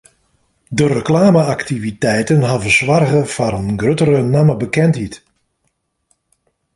De reklame-aktiviteiten hawwe soarge foar in gruttere nammebekendheid.